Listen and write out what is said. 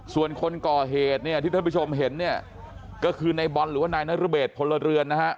ส่วนคนก่อเหตุเนี่ยที่ท่านผู้ชมเห็นเนี่ยก็คือในบอลหรือว่านายนรเบศพลเรือนนะฮะ